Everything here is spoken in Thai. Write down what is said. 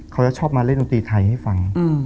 เขาจะชอบมาเล่นดนตรีไทยให้ฟัง